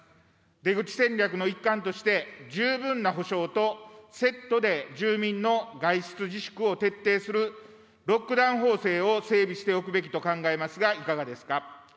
出口戦略の一環として、十分な補償とセットで住民の外出自粛を徹底するロックダウン法制を整備しておくべきと考えますが、いかがですか。